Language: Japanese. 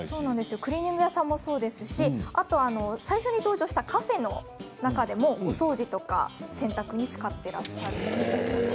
クリーニング屋さんもそうですし、最初に登場したカフェの中でもお掃除とか洗濯に使っていらっしゃると。